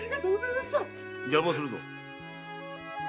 邪魔をするぞ。